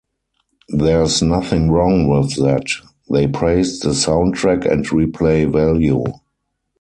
There's nothing wrong with that; they praised the soundtrack and replay value.